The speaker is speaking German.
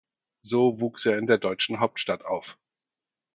So wuchs er in der deutschen Hauptstadt auf.